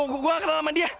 gue gak kenal sama dia